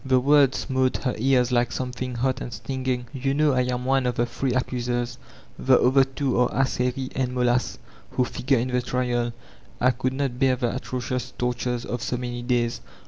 The words smote her ears like something hot and stinging : '^ou know I am one of the three accusers (tHe cyAcr two are Ascheri and Molas) who figure in the triaL I could not bear the atrocious torttu'es of so many days.